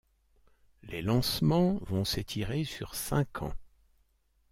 Les lancements vont s’étirer sur cinq ans.